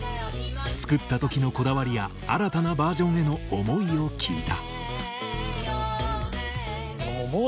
作った時のこだわりや新たなバージョンへの思いを聞いた。